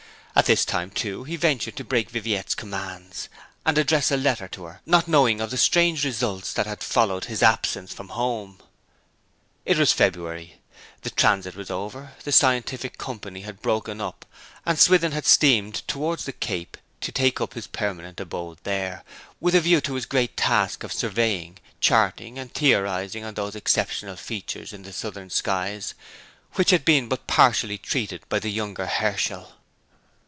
At this time, too, he ventured to break Viviette's commands, and address a letter to her, not knowing of the strange results that had followed his absence from home. It was February. The Transit was over, the scientific company had broken up, and Swithin had steamed towards the Cape to take up his permanent abode there, with a view to his great task of surveying, charting and theorizing on those exceptional features in the southern skies which had been but partially treated by the younger Herschel.